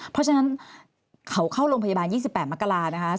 เพราะฉะนั้นเขาเข้าโรงพยาบาล๒๘มกรานะคะ